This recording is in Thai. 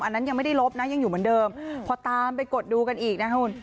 อันนั้นยังไม่ได้ลบนะยังอยู่เหมือนเดิมพอตามไปกดดูกันอีกนะครับคุณ